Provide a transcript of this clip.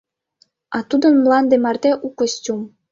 А тудын мланде марте у костюм!